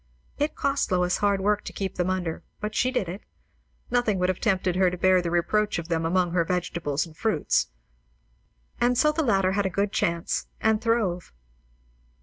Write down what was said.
It cost Lois hard work to keep them under; but she did it. Nothing would have tempted her to bear the reproach of them among her vegetables and fruits. And so the latter had a good chance, and throve.